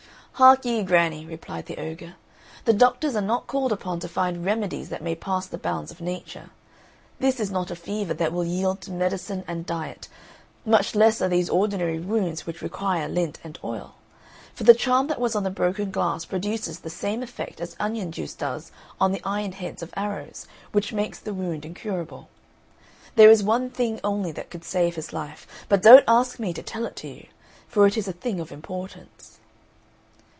"Hark ye, Granny," replied the ogre, "the doctors are not called upon to find remedies that may pass the bounds of nature. This is not a fever that will yield to medicine and diet, much less are these ordinary wounds which require lint and oil; for the charm that was on the broken glass produces the same effect as onion juice does on the iron heads of arrows, which makes the wound incurable. There is one thing only that could save his life, but don't ask me to tell it to you, for it is a thing of importance."